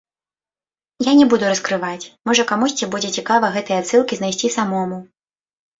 Я не буду раскрываць, можа, камусьці будзе цікава гэтыя адсылкі знайсці самому.